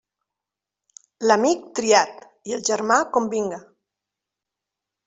L'amic triat i el germà com vinga.